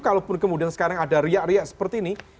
kalaupun kemudian sekarang ada riak riak seperti ini